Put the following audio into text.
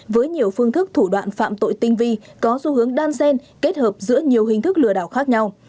với nhiều phương thức thủ đoạn phạm tội tinh vi có xu hướng đan sen kết hợp giữa nhiều hình thức lừa đảo khác nhau